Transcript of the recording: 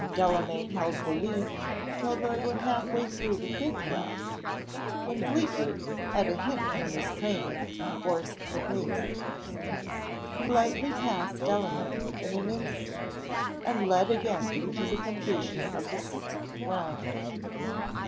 Delamayn held the lead till they were half way through the fifth round when Fleetwood, at a hint from his trainer, forced the pace. He lightly passed Delamayn in an instant; and led again to the completion of the sixth round.